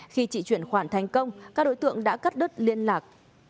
khi chị chuyển khoản thành công các đối tượng đã cắt đứt liên lạc